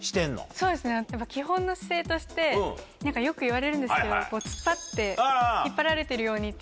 そうですね基本の姿勢としてよく言われるんですけどこう突っ張って引っ張られてるようにって。